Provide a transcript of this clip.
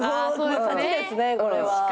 勝ちですねこれは。